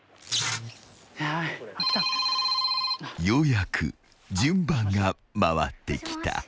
［ようやく順番が回ってきた］